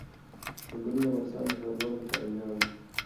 چنګلونه د افغانستان د هیوادوالو لپاره ویاړ دی.